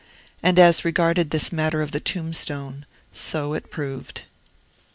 And as regarded this matter of the tombstone, so it proved.